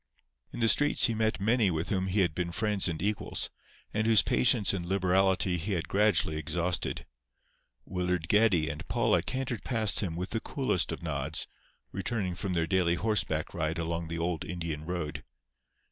In the streets he met many with whom he had been friends and equals, and whose patience and liberality he had gradually exhausted. Willard Geddie and Paula cantered past him with the coolest of nods, returning from their daily horseback ride along the old Indian road.